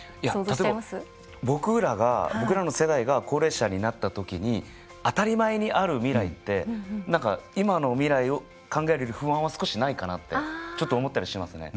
例えば僕らが僕らの世代が高齢者になった時に当たり前にある未来って何か今の未来を考えるより不安は少しないかなってちょっと思ったりしますね。